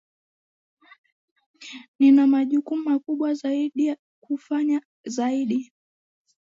Nina majukumu makubwa zaidi kufanya zaidi